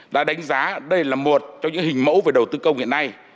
đã đánh giá đây là một trong những hình mẫu về đầu tư công hiện nay